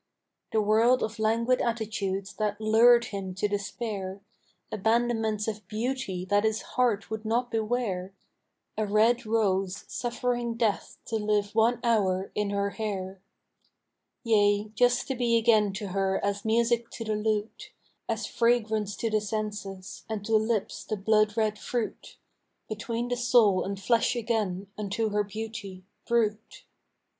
The world of languid attitudes that lured him to despair; Abandonments of beauty that his heart would not beware A red rose suffering death to live one hour in her hair. Yea, just to be again to her as music to the lute, As fragrance to the senses, and to lips the blood red fruit, Between the soul and flesh again, unto her beauty, brute.